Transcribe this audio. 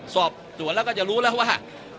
สอบสวนแล้วก็จะรู้แล้วว่า